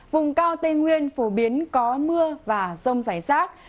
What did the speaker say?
vùng cao tây nguyên phổ biến có mưa và rông rải rác